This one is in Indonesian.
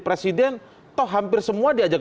presiden toh hampir semua diajak